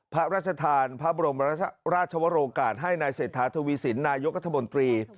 พระราชทานพระบรมราชวรกาศให้นายเศรษฐาทวีสินนายกัธมนตรี